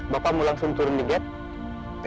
bapak mau langsung turun di gate